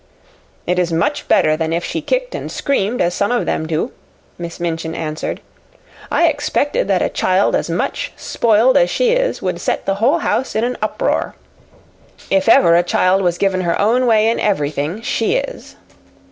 "It is much better than if she kicked and screamed, as some of them do," Miss Minchin answered. "I expected that a child as much spoiled as she is would set the whole house in an uproar. If ever a child was given her own way in everything, she is."